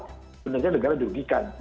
sebenarnya negara dirugikan